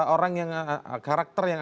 orang yang karakter yang